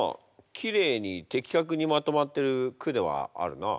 きれいに的確にまとまってる句ではあるな。